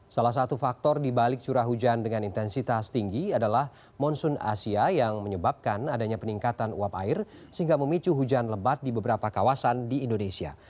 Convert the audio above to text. salah satu faktor dibalik curah hujan dengan intensitas tinggi adalah monsoon asia yang menyebabkan adanya peningkatan uap air sehingga memicu hujan lebat di beberapa kawasan di indonesia